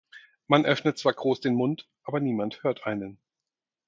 Man öffnet zwar groß den Mund, aber niemand hört einen.